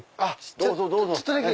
どうぞどうぞ。